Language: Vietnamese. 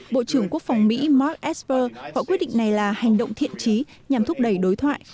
bộ trưởng quốc phòng mỹ mark esper gọi quyết định này là hành động thiện trí nhằm thúc đẩy đối thoại